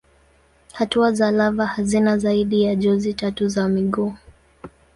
Hatua za lava hazina zaidi ya jozi tatu za miguu.